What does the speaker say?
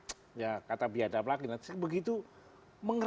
bisa menemukan kata yang lebih tepat lagi mungkin akan saya cari ya